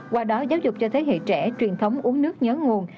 qua đó giáo dục cho thế hệ trẻ truyền thống uống nước nhớ nguồn